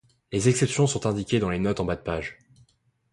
Les exceptions sont indiquées dans les notes en bas de page.